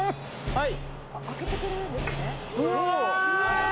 はい。